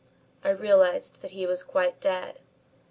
I realised that he was quite dead.